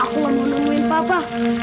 aku mau nemuin papa